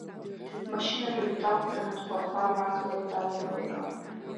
Машьынажәк дақәтәаны дхәархәаруа ақалақь далоуп уажәы.